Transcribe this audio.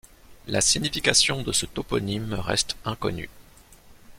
La signification de ce toponyme reste inconnue.